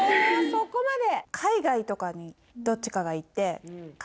そこまで？